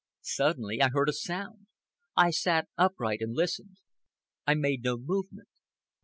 Suddenly I heard a sound. I sat upright and listened. I made no movement.